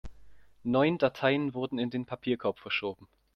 Neun Dateien wurden in den Papierkorb verschoben.